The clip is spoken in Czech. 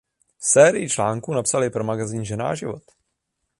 Sérii článků napsal i pro magazín "Žena a život".